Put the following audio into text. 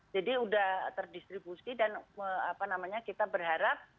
jadi sudah terdistribusi dan kita berharap